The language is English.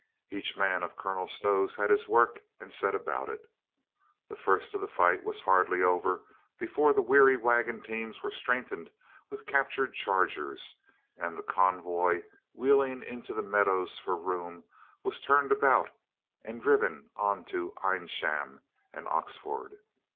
Each man of Colonel Stow's had his work and set about it. The first of the fight was hardly over before the AT BABLOCKHITHE 255 weary wagon teams were strengthened with cap tured chargers and the convoy, wheeling into the meadows for room, was turned about and driven on to Eynsham and Oxford.